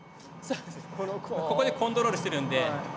ここでコントロールしてるんで。